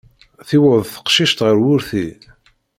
Tiweḍ teqcict ɣer wurti.